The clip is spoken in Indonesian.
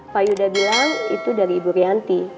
pak yuda bilang itu dari ibu rianti